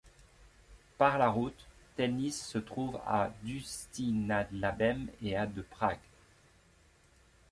Par la route, Telnice se trouve à d'Ústí nad Labem et à de Prague.